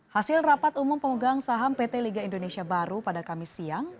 hasil rapat umum pemegang saham pt liga indonesia baru pada kamis siang